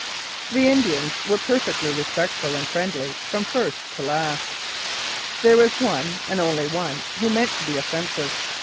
The Indians were perfectly respectful and friendly from first to last. There was one, and only one, who meant to be offensive.